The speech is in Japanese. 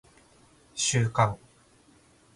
収監